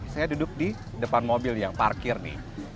saya duduk di depan mobil yang parkir nih